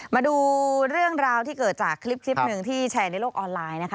มาดูเรื่องราวที่เกิดจากคลิปหนึ่งที่แชร์ในโลกออนไลน์นะคะ